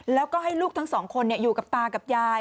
แล้วก็ให้ลูกทั้งสองคนอยู่กับตากับยาย